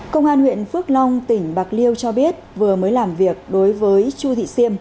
công an huyện phước long tỉnh bạc liêu cho biết vừa mới làm việc đối với chu thị siêm